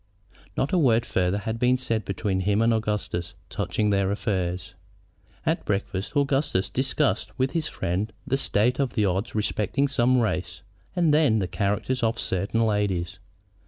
Not a word farther had been said between him and Augustus touching their affairs. At breakfast Augustus discussed with his friend the state of the odds respecting some race and then the characters of certain ladies.